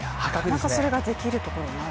なかなかそれができるところがない。